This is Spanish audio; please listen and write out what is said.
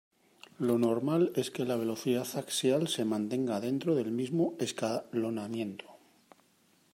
Lo normal es que la velocidad axial se mantenga dentro del mismo escalonamiento.